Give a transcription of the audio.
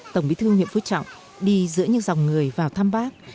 tổng bí thư nguyễn phú trọng đi giữa những dòng người vào thăm bác